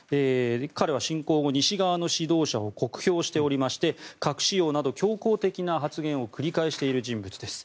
彼は侵攻後、西側の指導者を酷評しておりまして核使用など強硬的な発言を繰り返している人物です。